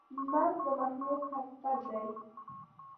مرګ د مخلوق حقیقت دی.